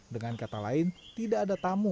dengan kata lain tidak ada tamu